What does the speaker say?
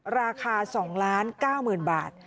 ราคา๒๙๐๐๐บาท